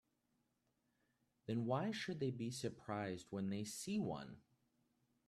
Then why should they be surprised when they see one?